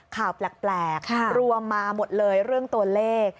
ข่าวแปลกรวมมาหมดเลยเรื่องตัวเลข